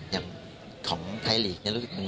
อย่างของไทยหลีก